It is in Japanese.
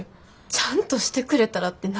ちゃんとしてくれたらって何？